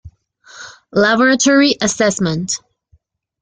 Laboratory assessment.